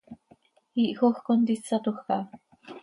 Iihjoj contísatoj caha.